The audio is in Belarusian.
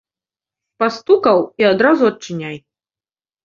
Пастукаў і адразу адчыняй.